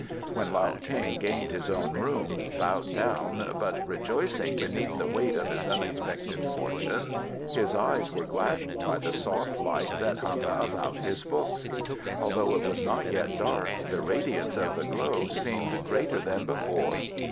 When Lao Ting gained his own room, bowed down but rejoicing beneath the weight of his unexpected fortune, his eyes were gladdened by the soft light that hung about his books. Although it was not yet dark, the radiance of the glow seemed greater than before.